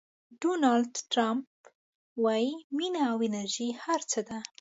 ډونالډ ټرمپ وایي مینه او انرژي هر څه دي.